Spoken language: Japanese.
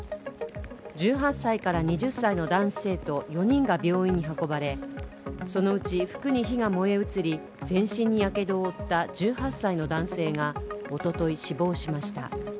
１８歳から２０歳の男子生徒４人が病院に運ばれそのうち服に火が燃え移り全身にやけどを負った１８歳の男性がおととい死亡しました。